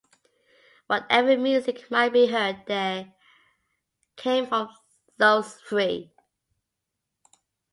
Whatever music might be heard there came from those three.